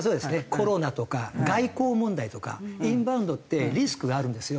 コロナとか外交問題とかインバウンドってリスクがあるんですよ。